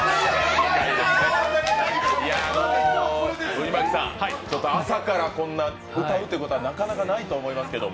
藤巻さん、朝からこんな歌うということは、なかなかないと思いますけど。